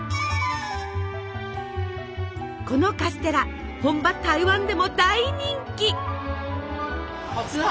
このカステラ本場台湾でも大人気。